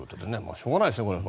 しょうがないですね、これは。